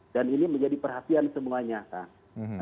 dan ini menjadi perhatian semuanya kak